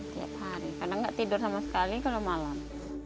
tiap hari karena nggak tidur sama sekali kalau malam